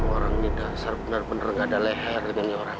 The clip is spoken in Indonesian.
orang ini dasar benar benar nggak ada leher katanya orang